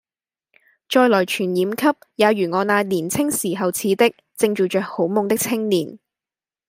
再來傳染給也如我那年青時候似的正做著好夢的青年。